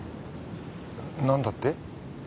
何だって？